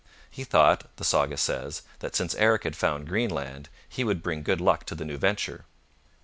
He thought, the saga says, that, since Eric had found Greenland, he would bring good luck to the new venture.